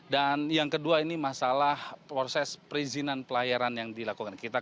dan yang kedua ini masalah proses perizinan pelayaran yang dilakukan